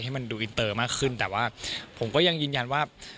ให้มันดูอินเตอร์มากขึ้นแต่ว่าผมก็ยังยืนยันว่า